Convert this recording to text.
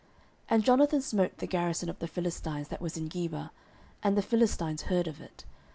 09:013:003 And Jonathan smote the garrison of the Philistines that was in Geba, and the Philistines heard of it.